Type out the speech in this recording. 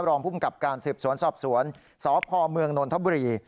รองภูมิกับการสืบสวนสอบสวนสพเมืองนนทบุรี